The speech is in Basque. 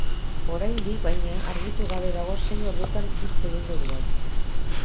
Oraindik, baina, argitu gabe dago zein ordutan hitz egingo duen.